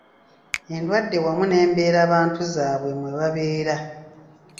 Endwadde wamu n’embeerabantu zaabwe mwe babeera.